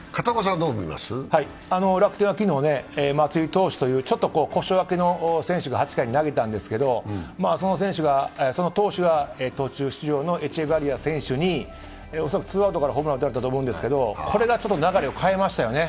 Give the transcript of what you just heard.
楽天は昨日、松井投手という故障明けの投手が８回に投げたんですけど、その投手が途中出場のエチェバリア選手にツーアウトからホームランを打たれたと思うんですけどこれが流れを変えましたよね。